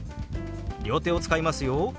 両手を使いますよ。